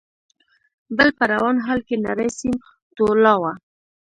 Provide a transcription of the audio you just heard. ، بل په روان حال کې نری سيم ټولاوه.